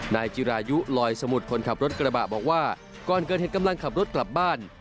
นายจิรายุลอยสมุทรคนขับรถกระบะบอกว่าก่อนเกิดเหตุกำลังขับรถกลับบ้าน